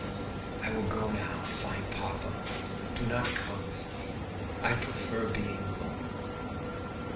I will go now and find papa. Do not come with me. I prefer being alone."